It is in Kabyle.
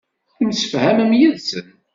Temsefhamem yid-sen.